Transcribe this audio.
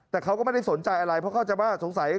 แต่เขาก็ไม่ได้สนใจอะไรเพราะเข้าใจว่าสงสัย